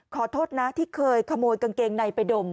ขอโทษนะที่เคยขโมยกางเกงในไปดม